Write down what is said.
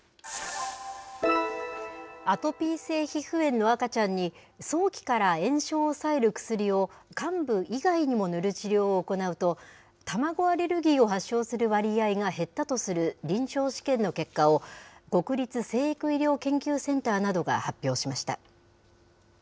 アトピー性皮膚炎の赤ちゃんに、早期から炎症を抑える薬を、患部以外にも塗る治療を行うと、卵アレルギーを発症する割合が減ったとする臨床試験の結果を、国立成育医療研究センターなどが発表しました。